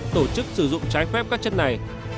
tổ chức sử dụng trái phép các chất này